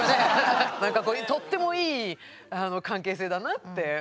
なんかとってもいい関係性だなって。